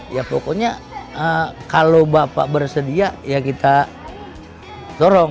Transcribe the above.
ya pokoknya kalau bapak bersedia ya kita dorong